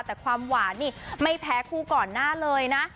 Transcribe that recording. แต่ความหวานนี่ไม่แพ้คู่ก่อนหน้าเลยนะ